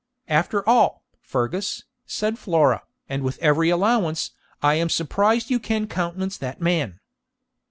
'After all, Fergus,' said Flora, 'and with every allowance, I am surprised you can countenance that man.'